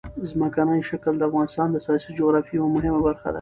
ځمکنی شکل د افغانستان د سیاسي جغرافیه یوه مهمه برخه ده.